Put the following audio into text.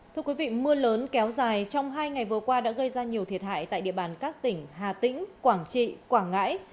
thưa quý vị mưa lớn kéo dài trong hai ngày vừa qua đã gây ra nhiều thiệt hại tại địa bàn các tỉnh hà tĩnh quảng trị quảng ngãi